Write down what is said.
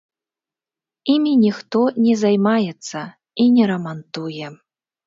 Імі ніхто не займаецца і не рамантуе.